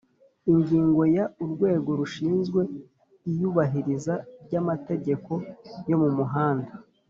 Ingingo ya Urwego rushinzwe iyubahiriza rya amategeko yo mu muhanda